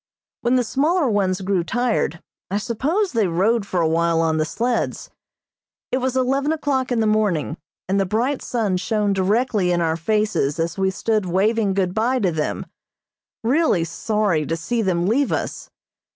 When the smaller ones grew tired, I suppose they rode for a while on the sleds. It was eleven o'clock in the morning, and the bright sun shone directly in our faces as we stood waving good bye to them, really sorry to see them leave us.